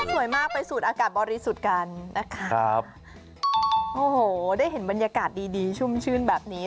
สวยมากไปสูดอากาศบริสุทธิ์กันได้เห็นบรรยากาศดีชุ่มชื่นแบบนี้